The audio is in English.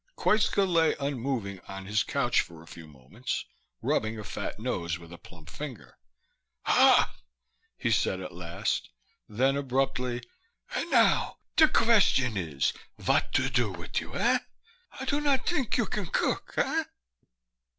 Koitska lay unmoving on his couch for a few moments, rubbing a fat nose with a plump finger. "Hah," he said at last. Then, abruptly, "And now, de qvestion is, vot to do vit you, eh? I do not t'ink you can cook, eh?"